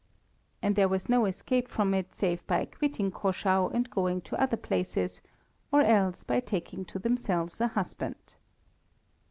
And there was no escape from it save by quitting Caschau and going to other places, or else by taking to themselves a husband.